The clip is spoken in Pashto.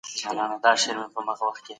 موږ د شمېرو تفاوت ته متوجه سوي يو.